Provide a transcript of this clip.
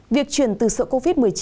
việc chuyển từ sự covid một mươi chín